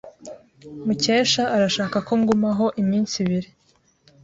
Mukesha arashaka ko ngumaho iminsi ibiri.